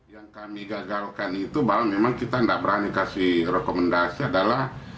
yang kami gagalkan itu bahwa memang kita tidak berani kasih rekomendasi adalah